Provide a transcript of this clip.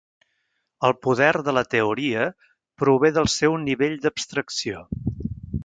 El poder de la teoria prové del seu nivell d'abstracció.